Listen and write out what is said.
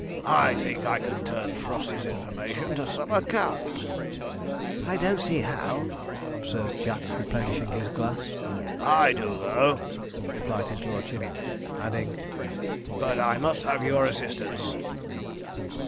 'I think I can turn Frosty's information to some account.' 'I don't see how,' observed Jack, replenishing his glass. 'I do, though,' replied his lordship, adding, 'but I must have your assistance.'